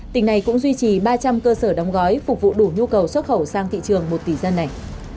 tỉnh này cũng duy trì ba trăm linh cơ sở đóng gói phục vụ đủ nhu cầu xuất khẩu sang thị trường một tỷ dân này